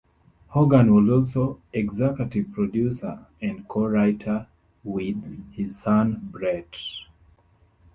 Hogan was also executive producer and co-writer with his son, Brett.